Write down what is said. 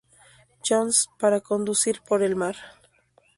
John's para conducir por el mar.